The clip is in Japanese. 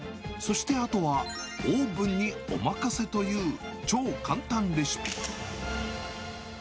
そしてあとはオーブンにお任せという、超簡単レシピ。